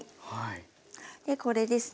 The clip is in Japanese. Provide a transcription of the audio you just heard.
でこれですね